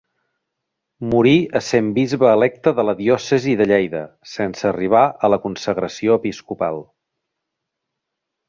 Morí essent bisbe electe de la diòcesi de Lleida sense arribar a la consagració episcopal.